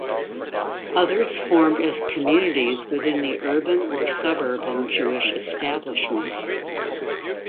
Others formed as communities within the urban or suburban Jewish establishment.